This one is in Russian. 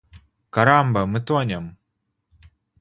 Карамба! Мы тонем!